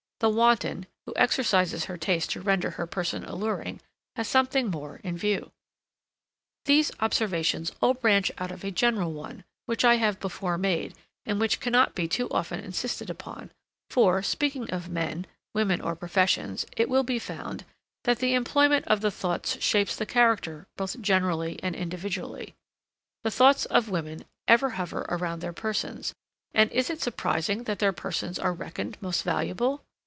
The wanton, who exercises her taste to render her person alluring, has something more in view. These observations all branch out of a general one, which I have before made, and which cannot be too often insisted upon, for, speaking of men, women, or professions, it will be found, that the employment of the thoughts shapes the character both generally and individually. The thoughts of women ever hover around their persons, and is it surprising that their persons are reckoned most valuable?